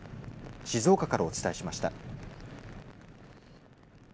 静岡からお伝えしました。